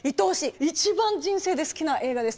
一番人生で好きな映画です。